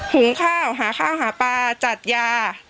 หุงข้าวหาข้าวหาปลาจัดยา